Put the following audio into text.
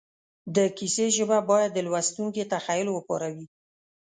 د کیسې ژبه باید د لوستونکي تخیل وپاروي